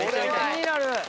気になる！